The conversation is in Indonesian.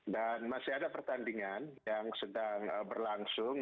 dan masih ada pertandingan yang sedang berlangsung